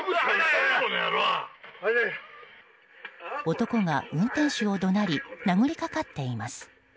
男が運転手を怒鳴り殴りかかっています。